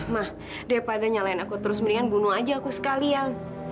mah daripada nyalain aku terus mendingan bunuh aja aku sekalian